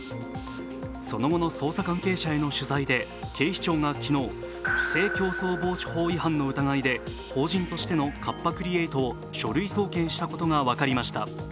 その後の捜査関係者への取材で警視庁が昨日、不正競争防止法違反違反の疑いで法人としてのカッパ・クリエイトを書類送検したことが分かりました。